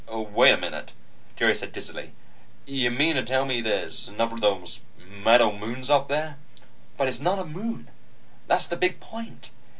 "Wait a minute," Jerry said dizzily. "You mean to tell me there's another of those metal moons up there?" "But it's not a moon. That's the big point.